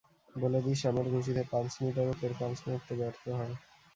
বলে দিস আমার ঘুষিতে, পালস মিটারও তোর পালস মাপতে ব্যার্থ হয়!